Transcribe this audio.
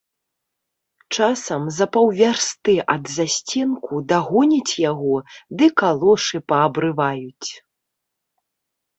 Часам за паўвярсты ад засценку дагоняць яго ды калошы паабрываюць.